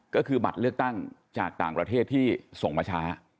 ก็คือบัตรเลือกตั้งจากต่างประเทศที่ส่งมาช้า